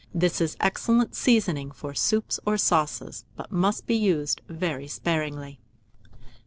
This is excellent seasoning for soups or sauces, but must be used very sparingly.